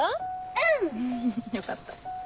うん！よかった。